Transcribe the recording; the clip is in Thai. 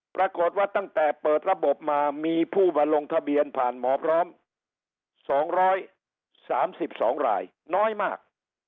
ปรากฏว่าตั้งแต่เปิดระบบมามีผู้มาลงทะเบียนผ่านหมอพร้อม๒๓๒รายน้อยมาก